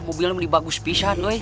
mobilnya mau dibagus pisah doi